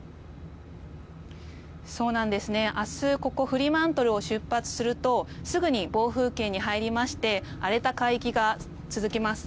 明日、ここフリマントルを出発するとすぐに暴風圏に入りまして荒れた海域が続きます。